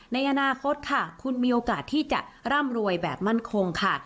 ในอนาคตค่ะคุณมีโอกาสที่จะร่ำรวยแบบมั่นคงค่ะ